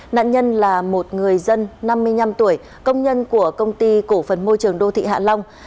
nạn nhân là một người dân năm mươi năm tuổi công nhân của công ty cổ phần môi trường đô thị hạ long